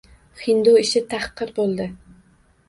Hindu ishi tahqir bo’ldi